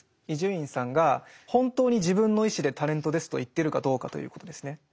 伊集院さんが本当に自分の意思で「タレントです」と言ってるかどうかということですね。